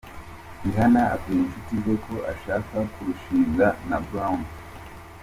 Rihanna abwira inshuti ze ko ashaka kurushinga na Brown.